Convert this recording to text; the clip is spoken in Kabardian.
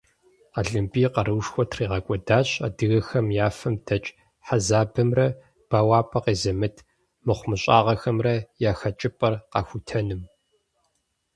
Къалэмбий къаруушхуэ тригъэкӀуэдащ адыгэхэм я фэм дэкӀ хьэзабымрэ бэуапӀэ къезымыт мыхъумыщӀагъэхэмрэ я хэкӀыпӀэр къэхутэным.